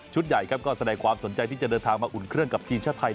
ใหญ่ครับก็แสดงความสนใจที่จะเดินทางมาอุ่นเครื่องกับทีมชาติไทย